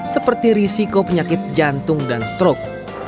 seperti risiko penyakit jantung dan strok